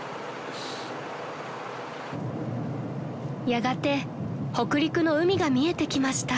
［やがて北陸の海が見えてきました］